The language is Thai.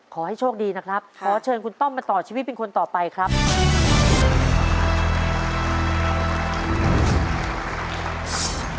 ขอให้โชคดีนะครับขอเชิญคุณต้อมมาต่อชีวิตเป็นคนต่อไปครับ